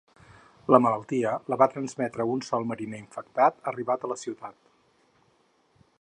La malaltia la va transmetre un sol mariner infectat arribat a la ciutat.